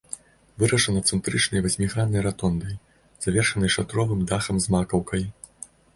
Вырашана цэнтрычнай васьміграннай ратондай, завершанай шатровым дахам з макаўкай.